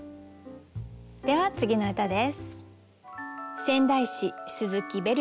では次の歌です。